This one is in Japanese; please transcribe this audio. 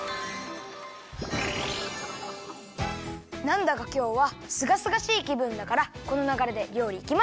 なんだかきょうはすがすがしいきぶんだからこのながれでりょうりいきますか。